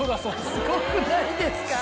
すごくないですか？